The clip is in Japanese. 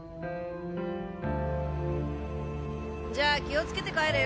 じゃあ気をつけて帰れよ。